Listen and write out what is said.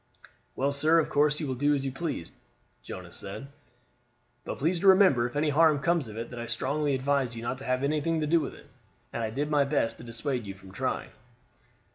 "Well, sir, of course you will do as you please," Jonas said; "but please to remember if any harm comes of it that I strongly advised you not to have anything to do with it, and I did my best to dissuade you from trying."